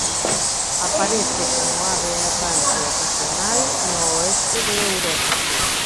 Aparece como ave errante ocasional no oeste de Europa.